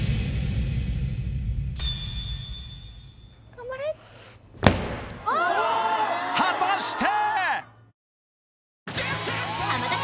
・頑張れっ果たして！？